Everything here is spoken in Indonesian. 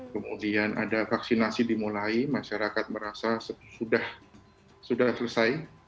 kemudian ada vaksinasi dimulai masyarakat merasa sudah selesai